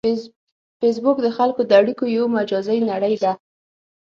فېسبوک د خلکو د اړیکو یو مجازی نړۍ ده